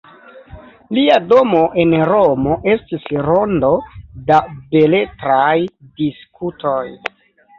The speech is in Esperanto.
Lia domo en Romo estis rondo da beletraj diskutoj.